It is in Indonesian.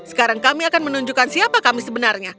sekarang kami akan menunjukkan siapa kami sebenarnya